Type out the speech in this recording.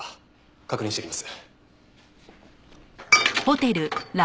確認してきます。